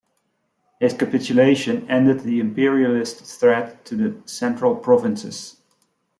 His capitulation ended the imperialist threat to the central provinces.